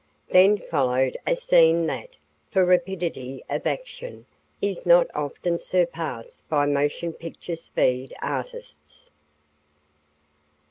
Then followed a scene that, for rapidity of action, is not often surpassed by motion picture speed artists.